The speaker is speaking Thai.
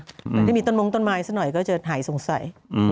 แต่ถ้ามีต้นมงต้นไม้สักหน่อยก็จะหายสงสัย